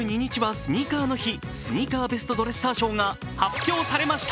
スニーカーベストドレッサー賞が発表されました。